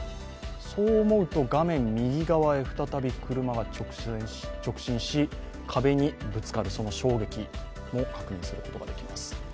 そう思うと画面右側へ再び車が直進し、壁にぶつかる、その衝撃も確認することができます。